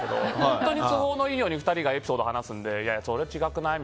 本当に都合のいいように２人がエピソードを話すのでいやいや、それは違くない？